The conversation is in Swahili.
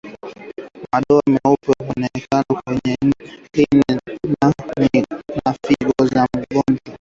Madoa meupe huonekana kwenye ini na figo za mfugo ni dalili ya Ndigana Kali